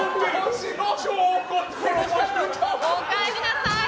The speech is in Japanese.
おかえりなさい！